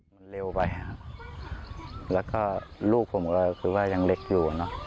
มันเร็วไปครับแล้วก็ลูกผมก็คือว่ายังเล็กอยู่เนอะ